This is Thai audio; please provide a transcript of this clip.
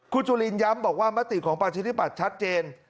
คุณจุลินย้ำบอกว่ามติของประชาธิปัตย์ชัดเจน